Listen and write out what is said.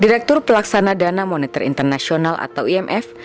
direktur pelaksana dana moneter internasional atau imf